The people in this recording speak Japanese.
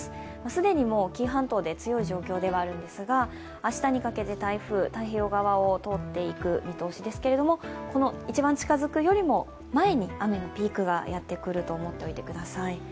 既に紀伊半島で強い状況ではあるんですが、明日にかけて台風、太平洋側を通っていく見通しですけれどもこの一番近づくよりも前に雨のピークがやってくると思ってください。